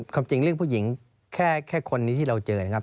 ความจริงเรื่องผู้หญิงแค่คนนี้ที่เราเจอนะครับ